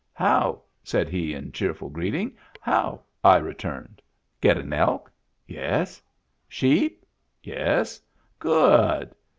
" How!" said he in cheerful greeting. " How !" I returned. "Get an elk?" " Yes." "Sheep?" " Yes." "Good!"